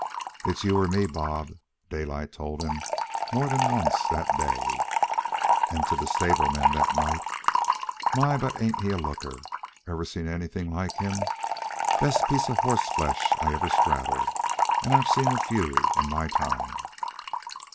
"It's you or me, Bob," Daylight told him more than once that day. And to the stableman, that night: "My, but ain't he a looker! Ever see anything like him? Best piece of horseflesh I ever straddled, and I've seen a few in my time."